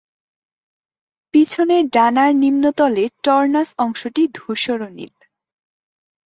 পিছনের ডানার নিম্নতলে টর্নাস অংশটি ধূসর নীল।